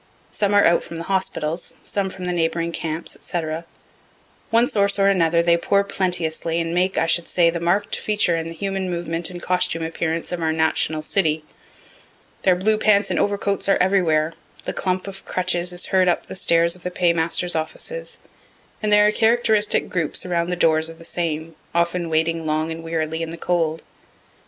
Some are out from the hospitals, some from the neighboring camps, &c. One source or another, they pour plenteously, and make, I should say, the mark'd feature in the human movement and costume appearance of our national city. Their blue pants and overcoats are everywhere. The clump of crutches is heard up the stairs of the paymasters' offices, and there are characteristic groups around the doors of the same, often waiting long and wearily in the cold.